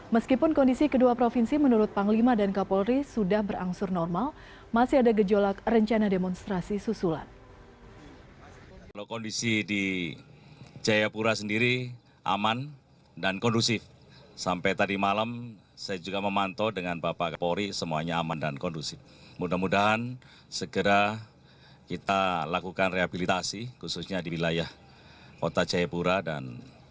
meskipun kondisi kedua provinsi menurut panglima dan kapolri sudah berangsur normal masih ada gejolak rencana demonstrasi susulan